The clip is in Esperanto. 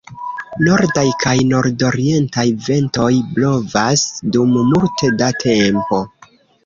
Nordaj kaj nordorientaj ventoj blovas dum multe da tempo.